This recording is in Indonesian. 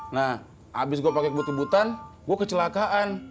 nah abis gue pakai kebut kebutbutan gue kecelakaan